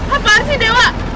apa sih dewa